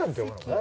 何？